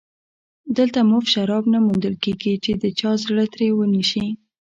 دلته مفت شراب نه موندل کېږي چې د چا زړه ترې ونشي